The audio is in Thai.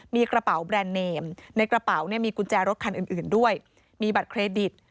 มีกระเป๋าแบรนด์เนมในกระเป๋าเนี่ยมีกุญแจรถคันอื่นด้วยมีบัตรเครดิต